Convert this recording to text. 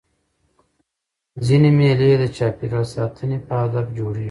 ځيني مېلې د چاپېریال د ساتني په هدف جوړېږي.